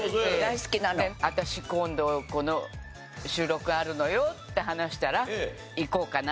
私今度この収録あるのよって話したら。